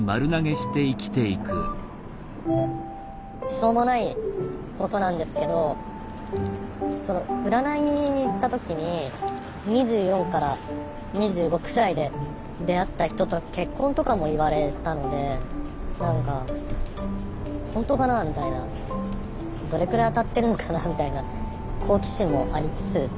しょうもないことなんですけど占いに行った時に２４から２５くらいで出会った人と結婚とかも言われたので何か本当かなあみたいなどれくらい当たってるのかなあみたいな好奇心もありつつって感じですね。